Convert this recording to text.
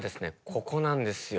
ここなんですよ。